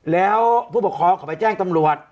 แล้วผู้ปกครองเขาไปแจ้งตำรวจ